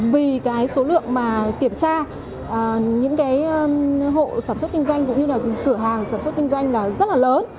vì cái số lượng mà kiểm tra những cái hộ sản xuất kinh doanh cũng như là cửa hàng sản xuất kinh doanh là rất là lớn